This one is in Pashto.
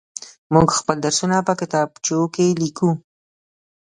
موږ خپل درسونه په کتابچو کې ليكو.